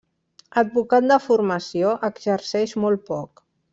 Advocat de formació, exerceix molt poc.